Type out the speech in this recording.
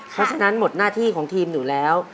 เพราะฉะนั้นหมดหน้าที่ของทีมหนูแล้ว